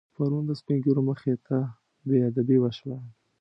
پرون د سپینږیرو مخې ته بېادبي وشوه.